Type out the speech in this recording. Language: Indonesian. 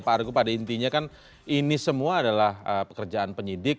pak argo pada intinya kan ini semua adalah pekerjaan penyidik